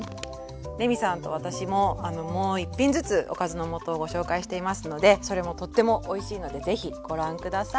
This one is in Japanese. レミさんと私ももう一品ずつおかずの素をご紹介していますのでそれもとってもおいしいので是非ご覧下さい。